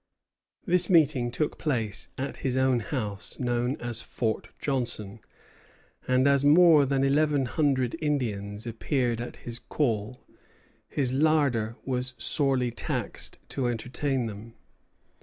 This meeting took place at his own house, known as Fort Johnson; and as more than eleven hundred Indians appeared at his call, his larder was sorely taxed to entertain them.